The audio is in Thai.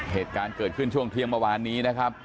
เหตุการณ์เกิดขึ้นช่วงเที่ยงเมื่อวานนี้นะครับ